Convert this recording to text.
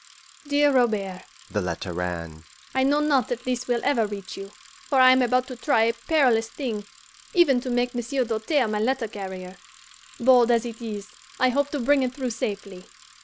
DEAR ROBERT (the letter ran): I know not if this will ever reach you, for I am about to try a perilous thing, even to make Monsieur Doltaire my letter carrier. Bold as it is, I hope to bring it through safely.